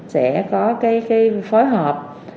sẽ có cái phối hợp